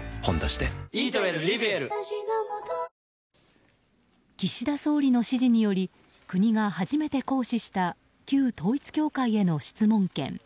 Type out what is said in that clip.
「ほんだし」で岸田総理の指示により国が初めて行使した旧統一教会への質問権。